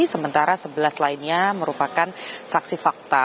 sementara sebelas lainnya merupakan saksi fakta